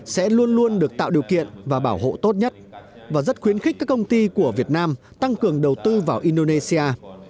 sẽ luôn luôn được tạo điều kiện và bảo hộ tốt nhất và rất khuyến khích các công ty của việt nam tăng cường đầu tư vào indonesia